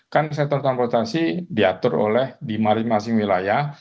kan sektor transportasi diatur oleh di masing masing wilayah